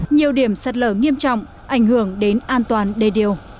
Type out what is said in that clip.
nhiều điểm sạt lở nghiêm trọng ảnh hưởng đến an toàn đề điều